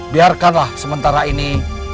biarkanlah sementara ini